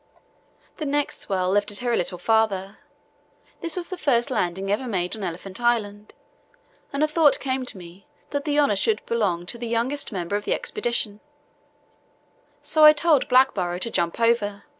The next swell lifted her a little farther. This was the first landing ever made on Elephant Island, and a thought came to me that the honour should belong to the youngest member of the Expedition, so I told Blackborrow to jump over.